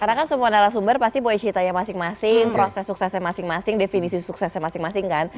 karena kan semua narasumber pasti boleh ceritanya masing masing proses suksesnya masing masing definisi suksesnya masing masing kan